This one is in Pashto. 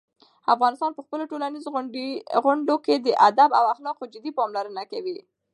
افغانان په خپلو ټولنیزو غونډو کې د "ادب" او "اخلاقو" جدي پاملرنه کوي.